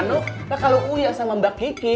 nah kalau uya sama mbak kiki